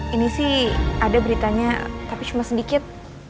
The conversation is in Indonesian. ini sih ada beritanya tapi cuma sedikit